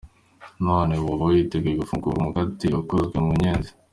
None woba witeguye gufungura umukate ukozwe mu nyenzi? .